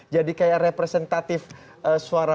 jadi kayak representatif suara